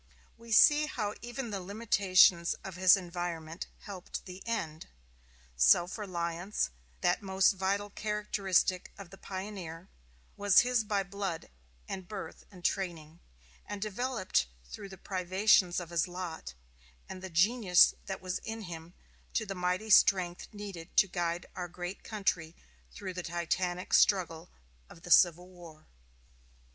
We see how even the limitations of his environment helped the end. Self reliance, that most vital characteristic of the pioneer, was his by blood and birth and training; and developed through the privations of his lot and the genius that was in him to the mighty strength needed to guide our great country through the titanic struggle of the Civil War.